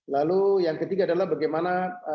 lalu yang ketiga adalah bagaimana